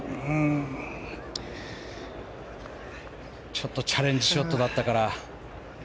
ちょっとチャレンジショットだったから。